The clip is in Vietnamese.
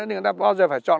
người ta bao giờ phải chọn